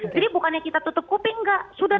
jadi bukannya kita tutup kuping enggak